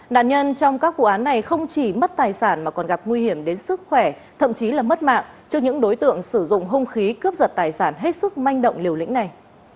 nạn nhân trong các vụ án này không chỉ mất tài sản mà còn gặp nguy hiểm đến sức khỏe thậm chí là mất mạng cho những đối tượng sử dụng hung khí cướp giật tài sản hết sức manh động liều lĩnh này